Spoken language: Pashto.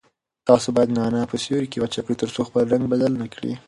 تاسو باید نعناع په سیوري کې وچ کړئ ترڅو خپل رنګ بدل نه کړي.